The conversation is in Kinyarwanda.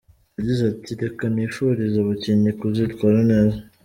Yagize ati “ Reka nifurize abakinnyi kuzitwara neza.